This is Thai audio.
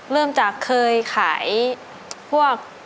เริ่มจากเคยขายพวก